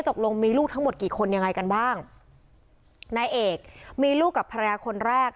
ตกลงมีลูกทั้งหมดกี่คนยังไงกันบ้างนายเอกมีลูกกับภรรยาคนแรก